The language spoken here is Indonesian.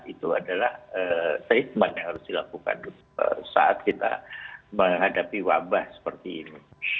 itu adalah treatment yang harus dilakukan saat kita menghadapi wabah seperti ini